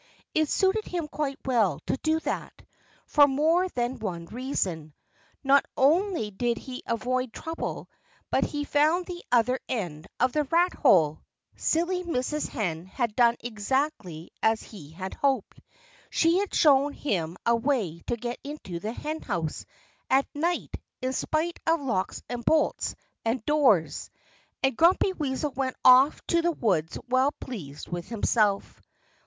It suited him quite well to do that, for more than one reason. Not only did he avoid trouble, but he found the other end of the rat hole. Silly Mrs. Hen had done exactly as he had hoped. She had shown him a way to get into the henhouse at night in spite of locks and bolts and doors. And Grumpy Weasel went off to the woods well pleased with himself.